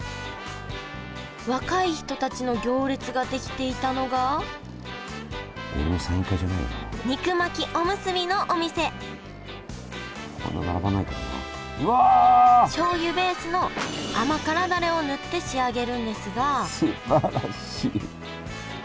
若い人たちの行列ができていたのが肉巻きおむすびのお店しょうゆベースの甘辛ダレを塗って仕上げるんですがすばらしい。